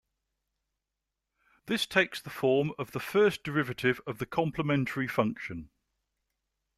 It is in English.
This takes the form of the first derivative of the complementary function.